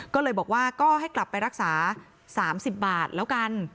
ก็เลยบอกว่าก็ให้กลับไปรักษา๓๐บาทแล้วกัน